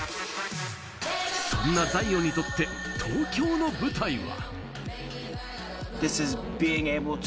そんなザイオンにとって東京の舞台は。